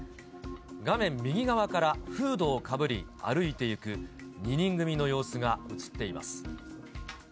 画面右側からフードをかぶり、歩いていく２人組の様子が写っています。